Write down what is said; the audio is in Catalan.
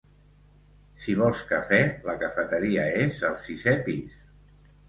Si vols café, la cafeteria és al sisé pis.